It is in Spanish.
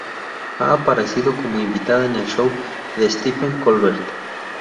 Ha aparecido como invitada en el Show de Stephen Colbert.